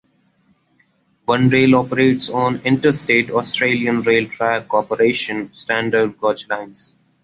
One Rail operates on interstate Australian Rail Track Corporation standard gauge lines.